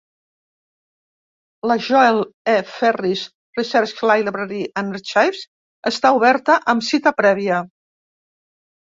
La Joel E. Ferris Research Library and Archives està oberta amb cita prèvia.